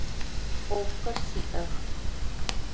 Ӏофхэр сиӏэх.